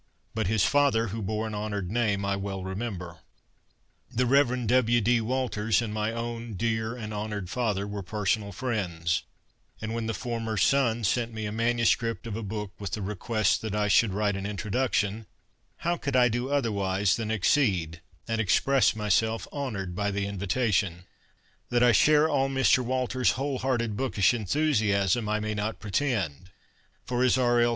But his father, who bore an honoured name, I well remember. The Rev. W. D. Walters and my own dear and honoured father were personal friends; and when the former's son sent me a manuscript of a book, with the request that I should write an introduction, how could I do otherwise than accede, and express myself honoured by the invitation ? 10 INTRODUCTION That I share all Mr. Walters's whole hearted bookish enthusiasm, I may not pretend, for, as R. L.